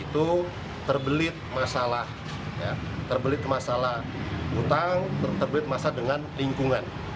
terbelit masalah utang terbelit masalah dengan lingkungan